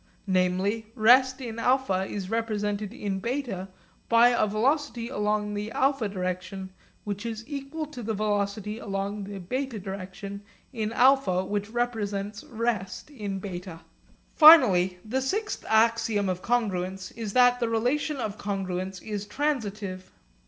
Namely rest in α is represented in β by a velocity along the α direction which is equal to the velocity along the β direction in α which represents rest in β. Finally the sixth axiom of congruence is that the relation of congruence is transitive.